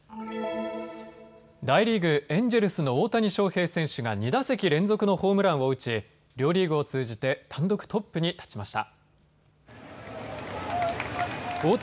大リーグ、エンジェルスの大谷翔平選手が２打席連続のホームランを打ち両リーグを通じて単独トップに立ちました。